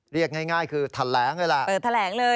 เรียกง่ายคือทะแหลงเลยล่ะ